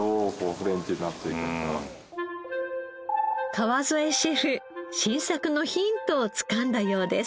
川副シェフ新作のヒントをつかんだようです。